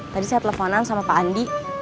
tadi saya teleponan sama pak andi